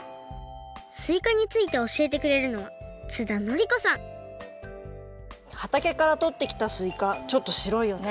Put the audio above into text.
すいかについておしえてくれるのははたけからとってきたすいかちょっとしろいよね。